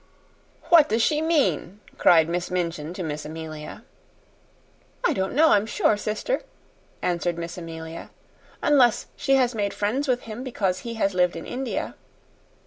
"What does she mean!" cried Miss Minchin to Miss Amelia. "I don't know, I'm sure, sister," answered Miss Amelia. "Unless she has made friends with him because he has lived in India."